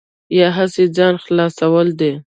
یا هسې ځان خلاصول دي.